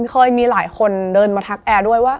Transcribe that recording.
เคยมีหลายคนเดินมาทักแอร์ด้วยว่า